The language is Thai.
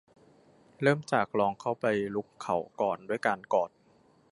เริ่มจากลองเข้าไปรุกเขาก่อนด้วยการกอด